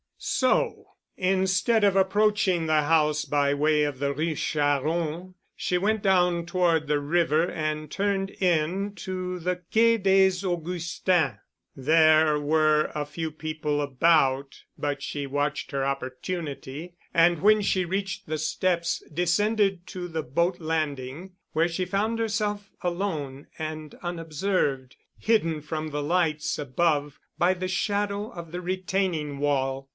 So instead of approaching the house by way of the Rue Charron she went down toward the river and turned in to the Quai des Augustins. There were a few people about but she watched her opportunity and when she reached the steps descended to the boat landing, where she found herself alone and unobserved, hidden from the lights above by the shadow of the retaining wall.